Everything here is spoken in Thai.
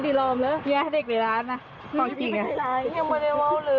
กลับไปยอมเร่งให้ถูกให้ลุ้มก่อน